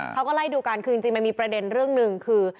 เขาก็ไล่ดูกันคือจริงมันมีประเด็นเรื่องหนึ่งคือ